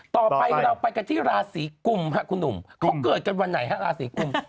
ต่อไปเราไปกันที่ราศีกุมครับคุณหนุ่มเขาเกิดกันวันไหนฮะราศีกุม